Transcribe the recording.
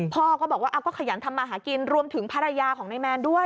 พ่อก็บอกว่าก็ขยันทำมาหากินรวมถึงภรรยาของนายแมนด้วย